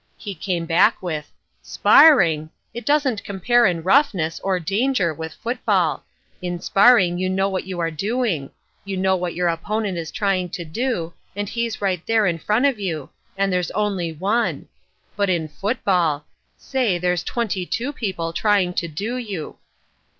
"He came back with: 'Sparring! It doesn't compare in roughness, or danger, with football. In sparring you know what you are doing. You know what your opponent is trying to do, and he's right there in front of you, and, there's only one! But in football! Say, there's twenty two people trying to do you!'